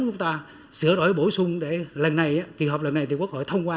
chúng ta sửa đổi bổ sung để lần này kỳ họp lần này thì quốc hội thông qua